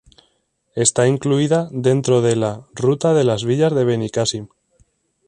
Está incluida dentro de la "Ruta de las villas de Benicasim".